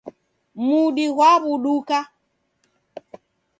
Mudi ghwaw'uduka.